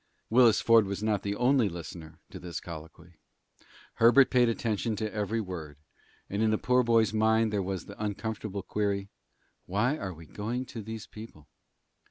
Willis Ford was not the only listener to this colloquy. Herbert paid attention to every word, and in the poor boy's mind there was the uncomfortable query, "Why are we going to these people?"